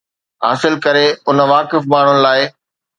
خاص ڪري اڻ واقف ماڻهن لاءِ